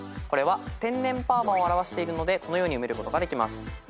これは天然パーマを表しているのでこのように埋めることができます。